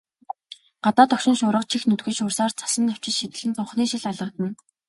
Гадаа догшин шуурга чих нүдгүй шуурсаар, цасан навчис шидлэн цонхны шил алгадна.